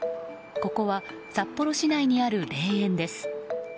ここは札幌市内にある霊園です。